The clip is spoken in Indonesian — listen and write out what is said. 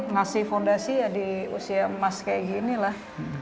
ngasih fondasi ya di usia emas kayak ginilah